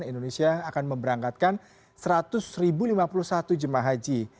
indonesia akan memberangkatkan seratus lima puluh satu jemaah haji